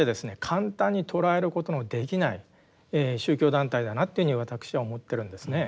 簡単に捉えることのできない宗教団体だなっていうふうに私は思ってるんですね。